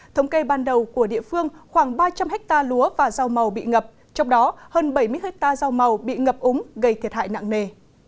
thống kê ban đầu của địa phương khoảng ba trăm linh hectare lúa và rau màu bị ngập trong đó hơn bảy mươi hectare rau màu bị ngập úng gây thiệt hại nặng nề